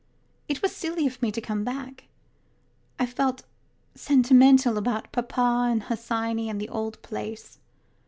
It was silly of me to come back. I felt sentimental about papa and Hesione and the old place.